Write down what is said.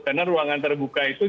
karena ruangan terbuka itu